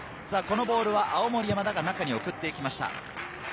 このボールは青森山田が中に送っていきました。